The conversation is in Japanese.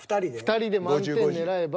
２人で満点狙えば。